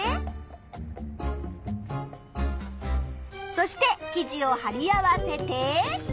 そして記事をはり合わせて。